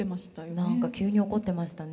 何か急に怒ってましたね。